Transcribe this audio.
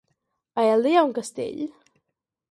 A Elda hi ha un castell?